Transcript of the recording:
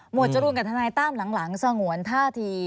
หมวดจรูนกับท่านไหนตั้มหลังสงวนท่าที